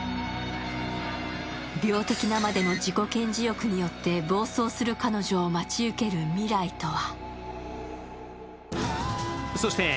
病的なまでの自己顕示欲によって、暴走する彼女を待ち受ける未来とは。